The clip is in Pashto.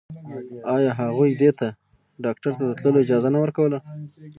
آيا هغوی دې ته ډاکتر ته د تلو اجازه نه ورکوله.